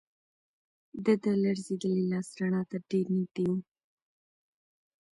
د ده لړزېدلی لاس رڼا ته ډېر نږدې و.